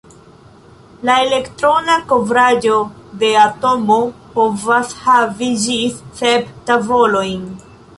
La elektrona kovraĵo de atomo povas havi ĝis sep tavolojn.